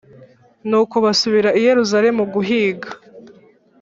Nuko basubira i Yerusalemu guhiga.